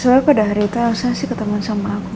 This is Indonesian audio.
sebenarnya pada hari itu elsa sih ketemu sama aku mas